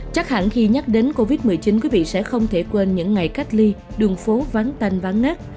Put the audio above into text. chắc hẳn khi nhắc đến covid một mươi chín quý vị sẽ không thể quên những ngày cách ly đường phố vắng tên vắng nát